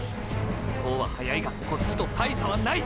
向こうは速いがこっちと大差はない！！